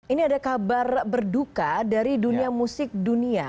ini ada kabar berduka dari dunia musik dunia